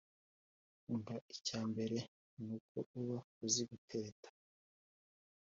Umva icyambere nuko uba uzi gutereta